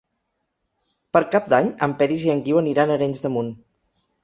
Per Cap d'Any en Peris i en Guiu aniran a Arenys de Munt.